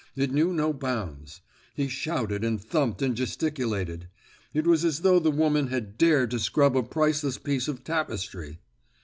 It knew no bounds. He shouted and thumped and gesticulated. It was as though the woman had dared to scrub a priceless piece of tapestry.